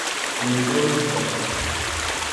en em daolet da